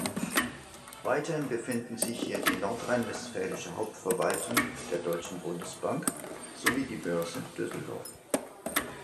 Weiterhin befinden sich hier die nordrhein-westfälische Hauptverwaltung der Deutschen Bundesbank sowie die Börse Düsseldorf.